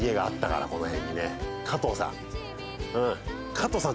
加藤さん。